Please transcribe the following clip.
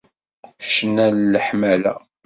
Ccna n leḥmala.